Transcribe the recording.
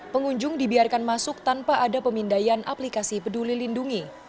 pengunjung dibiarkan masuk tanpa ada pemindaian aplikasi peduli lindungi